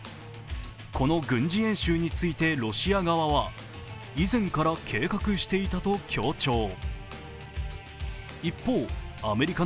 この軍事演習についてロシア側は以前から計画していたと強調。